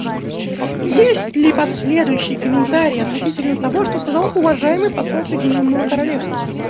Есть ли последующие комментарии относительно того, что сказал уважаемый посол Соединенного Королевства?